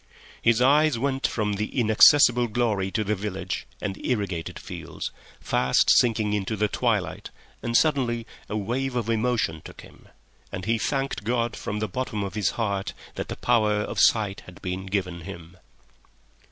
His eyes went from that inaccessible glory to the village and irrigated fields, fast sinking into the twilight, and suddenly a wave of emotion took him, and he thanked God from the bottom of his heart that the power of sight had been given him.